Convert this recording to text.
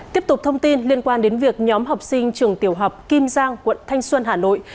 tiếp tục thông tin liên quan đến việc nhóm học sinh trường tiểu học kim giang quận thanh xuân hà nội